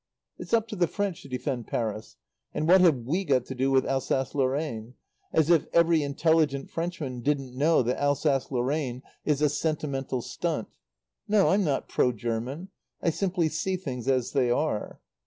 "It's up to the French to defend Paris. And what have we got to do with Alsace Lorraine? As if every inteligent Frenchman didn't know that Alsace Lorraine is a sentimental stunt. No. I'm not pro German. I simply see things as they are."